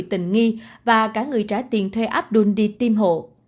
tình nghi và cả người trả tiền thuê abdul đi tiêm hộ